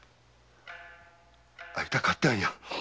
逢いたかったんや！